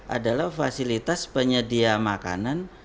adalah fasilitas penyedia makanan